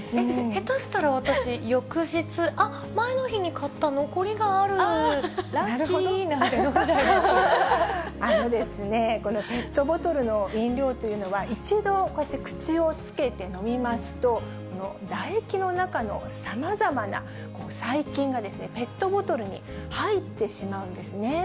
下手したら私、翌日、あっ、前の日に買った残りがある、あのですね、このペットボトルの飲料というのは、一度口をつけて飲みますと、唾液の中のさまざまな細菌がペットボトルに入ってしまうんですね。